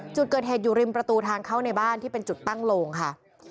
จุดเกิดเหตุอยู่ริมประตูทางเข้าในบ้านที่เป็นจุดตั้งโลงค่ะ